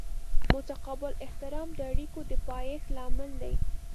متقابل احترام د اړیکو د پایښت لامل دی.